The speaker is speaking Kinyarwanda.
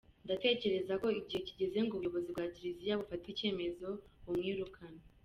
Ndatekereza ko igihe kigeze ngo ubuyobozi bwa Kiliziya bufate icyemezo bumwirukane”.